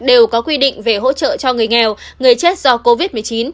đều có quy định về hỗ trợ cho người nghèo người chết do covid một mươi chín